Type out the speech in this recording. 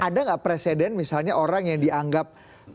ada nggak presiden misalnya orang yang dianggap